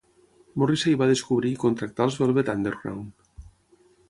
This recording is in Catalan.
Morrissey va descobrir i contractar els Velvet Underground.